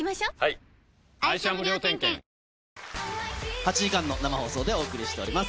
８時間の生放送でお送りしております。